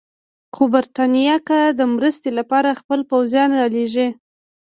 خو برټانیه که د مرستې لپاره خپل پوځونه رالېږي.